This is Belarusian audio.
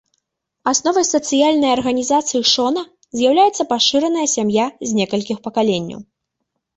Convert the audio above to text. Асновай сацыяльнай арганізацыі шона з'яўляецца пашыраная сям'я з некалькіх пакаленняў.